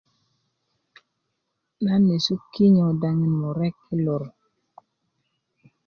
nan nyesu kinyo daŋin murek i lor